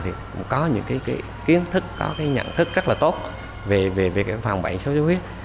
thì cũng có những cái kiến thức có cái nhận thức rất là tốt về việc phòng bệnh suốt suốt huyết